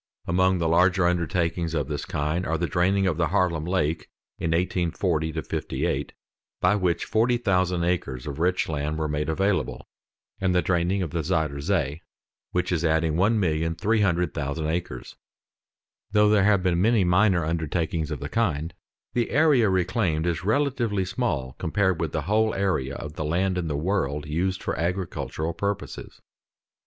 Among the larger undertakings of this kind are the draining of the Haarlem Lake in 1840 58, by which 40,000 acres of rich land were made available, and the draining of the Zuyder Zee, which is adding 1,300,000 acres. Though there have been many minor undertakings of the kind, the area reclaimed is relatively small compared with the whole area of the land in the world used for agricultural purposes.